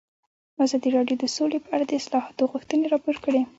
ازادي راډیو د سوله په اړه د اصلاحاتو غوښتنې راپور کړې.